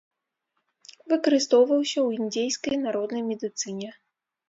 Выкарыстоўваўся ў індзейскай народнай медыцыне.